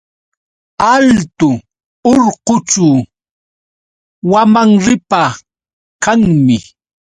Altu urqućhu wamanripa kanmi.